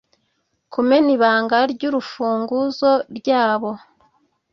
kumena ibanga ry urufunguzo ryabo